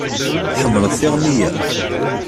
Tḥemmleḍ tiɣmi-ya?